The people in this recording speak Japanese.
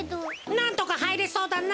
なんとかはいれそうだな。